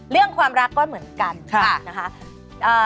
เรื่องความรักก็เหมือนกันนะคะ